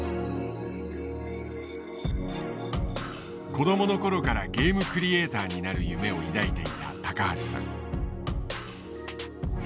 子供の頃からゲームクリエーターになる夢を抱いていた橋さん。